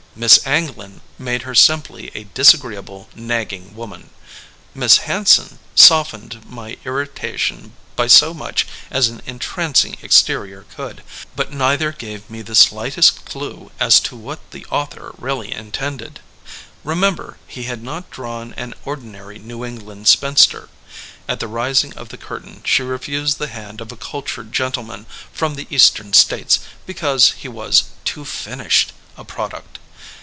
Miss Anglin made her simply a disagreeable, nagging woman, Miss Hanson softened my irrita tion by so much as an entrancing exterior could, but neither gave me the slightest clue as to what the author really intended. Remember, he had not drawn an ordinary New England spinster. At the rising of the curtain she refused the hand of a cultured gentleman from the eastern states because he was *Hoo finished" a product.